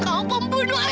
kau pembunuh ayah saya